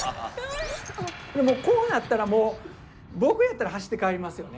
こうなったらもう僕やったら走って帰りますよね。